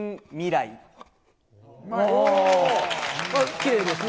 きれいですね。